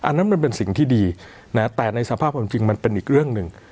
อันนั้นมันเป็นสิ่งที่ดีนะแต่ในสภาพความจริงมันเป็นอีกเรื่องหนึ่ง